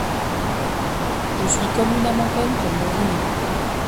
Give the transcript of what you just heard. je suis comme une âme en peine pour mon dîner…